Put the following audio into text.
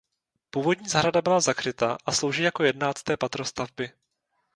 Původní zahrada byla zakryta a slouží jako jedenácté patro stavby.